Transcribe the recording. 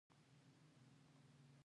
حیرتان دښتې ولې ګرمې دي؟